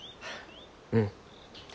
うん。